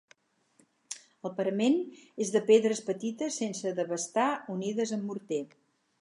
El parament és de pedres petites sense devastar unides amb morter.